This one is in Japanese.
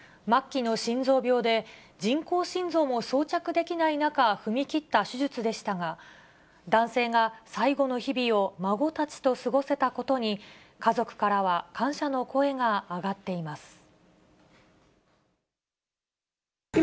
末期の心臓病で、人工心臓も装着できない中、踏み切った手術でしたが、男性が最後の日々を孫たちと過ごせたことに家族からは感謝の声が上がっています。